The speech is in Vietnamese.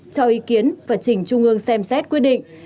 cho ý kiến và trình trung ương xem xét quyết định